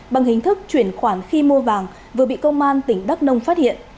bằng hình thức chuyển khoản khi mua vàng vừa bị công an tỉnh đắk nông phát hiện